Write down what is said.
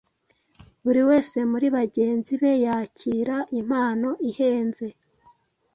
Buri wese muri bagenzi be yakira impano ihenze